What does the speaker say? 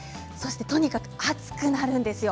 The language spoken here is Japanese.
とにかく暑くなるんですよ。